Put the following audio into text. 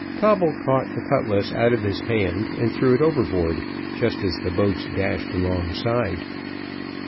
Coble caught the cutlass out of his hand, and threw it overboard, just as the boats dashed alongside.